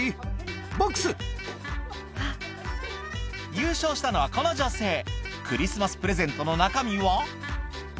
優勝したのはこの女性クリスマスプレゼントの中身は？